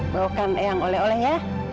bawakan ayang oleh oleh ya